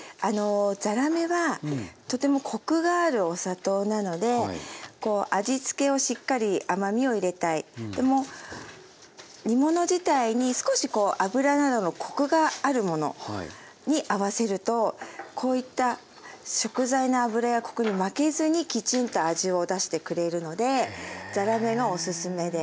ざらめはとてもコクがあるお砂糖なので味付けをしっかり甘みを入れたいでも煮物自体に少し脂などのコクがあるものに合わせるとこういった食材の脂やコクに負けずにきちんと味を出してくれるのでざらめがおすすめです。